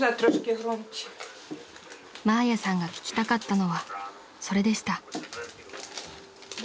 ［マーヤさんが聞きたかったのはそれでした］